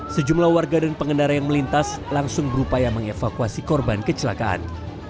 sejumlah warga dan pengendara yang melintas langsung berupaya mengevakuasi korban kecelakaan